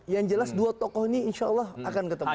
yang jelas dua tokoh ini insya allah akan ketemu